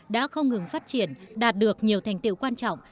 đã không ngừng phát triển đạt được nhiều thành tiệu quan trọng